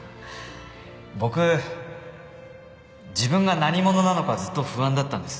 僕自分が何者なのかずっと不安だったんです